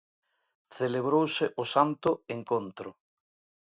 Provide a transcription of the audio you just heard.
Celebrouse o Santo Encontro.